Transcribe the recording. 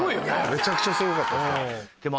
めちゃくちゃすごかったです。